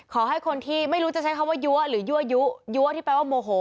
ขอให้คนที่ไม่รู้จะใช้คำว่ายั้วหรือยั่วยุยั้วที่แปลว่าโมโห